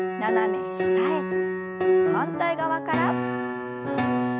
反対側から。